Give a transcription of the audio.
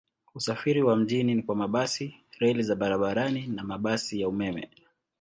Usafiri wa mjini ni kwa mabasi, reli za barabarani na mabasi ya umeme.